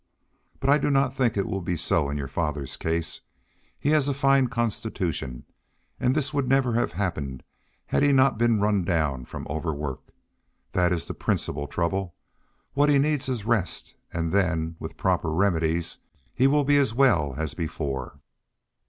"But I do not think it will be so in your father's case. He has a fine constitution, and this would never have happened had he not been run down from overwork. That is the principal trouble. What he needs is rest; and then, with the proper remedies, he will be as well as before."